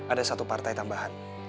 ada satu partai tambahan